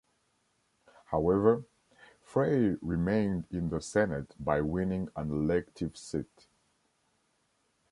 However, Frei remained in the Senate by winning an elective seat.